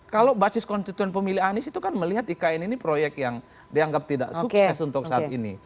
kalau basis konstituen pemilih anies itu kan melihat ikn ini proyek yang dianggap tidak sukses untuk saat ini